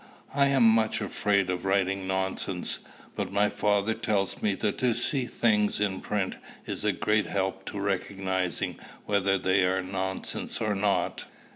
I am much afraid of writing nonsense; but my father tells me that to see things in print is a great help to recognizing whether they are nonsense or not.